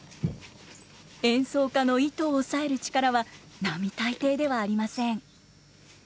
演奏家の糸を押さえる力は並大抵ではありません。